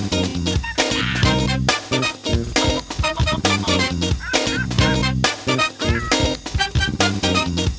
โปรดติดตามตอนต่อไป